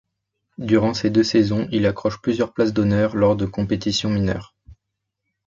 Durant ces deux saisons, il accroche plusieurs places d'honneur lors de compétitions mineures.